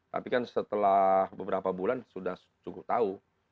tapi kan setelah beberapa bulan sudah cukup tahu